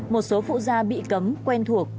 một số phụ gia bị cấm quen thuộc